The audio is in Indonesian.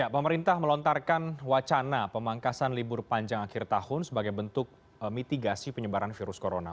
pemerintah melontarkan wacana pemangkasan libur panjang akhir tahun sebagai bentuk mitigasi penyebaran virus corona